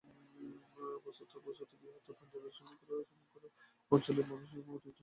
বস্তুত, বৃহত্তর পাঞ্জাবের সমগ্র অঞ্চলের মানুষ যুদ্ধ করতে পারদর্শী ছিল।